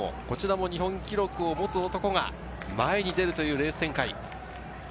こちらも日本記録を持つ男が前に出るというレース展開。